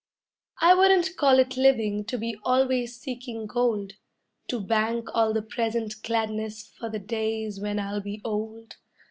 I wouldn't call it living to be always seeking gold, To bank all the present gladness for the days when I'll be old.